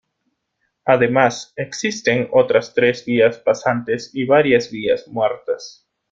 Además, existen otras tres vías pasantes y varias vías muertas.